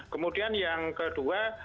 kemudian yang kedua